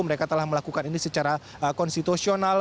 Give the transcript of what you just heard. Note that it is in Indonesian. mereka telah melakukan ini secara konstitusional